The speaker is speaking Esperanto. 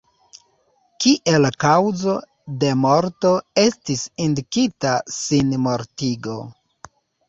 Kiel kaŭzo de morto estis indikita sinmortigo.